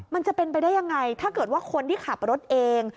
มันจะเป็นไปได้ยังไงถ้าเกิดว่าคนที่ขับรถเอง